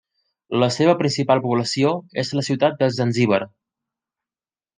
La seva principal població és la ciutat de Zanzíbar.